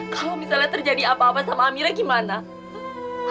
kalau misalnya terjadi apa apa sama amira gimana